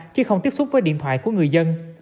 chứ không tiếp xúc với điện thoại của người dân